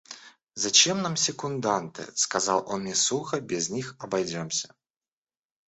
«Зачем нам секунданты, – сказал он мне сухо, – без них обойдемся».